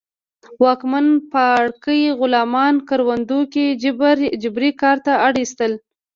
واکمن پاړکي غلامان کروندو کې جبري کار ته اړ اېستل